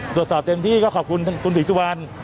ตรวจสอบเต็มที่ก็ขอบคุณคุณศรีสุวรรณ